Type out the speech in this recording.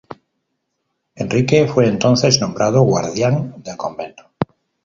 Enrique fue entonces nombrado guardián del convento.